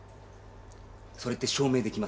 それって証明できますか？